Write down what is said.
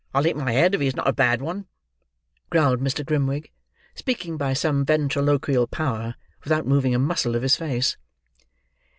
I'll eat my head if he is not a bad one," growled Mr. Grimwig, speaking by some ventriloquial power, without moving a muscle of his face.